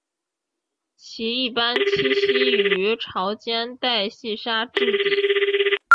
其一般栖息于潮间带细砂质底。